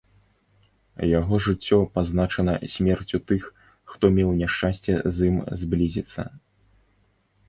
Яго жыццё пазначана смерцю тых, хто меў няшчасце з ім зблізіцца.